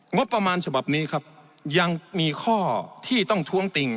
งบประมาณฉบับนี้ครับยังมีข้อที่ต้องท้วงติ่ง